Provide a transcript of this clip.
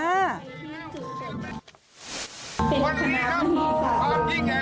วันนี้ครับภาพที่แก่คุณผู้ชมขาตอน